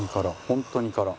本当に空。